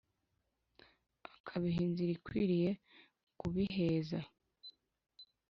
Akabiha inzira ikwiriye kubiheza